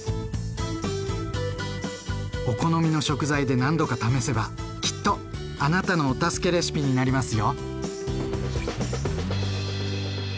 お好みの食材で何度か試せばきっとあなたのお助けレシピになりますよ。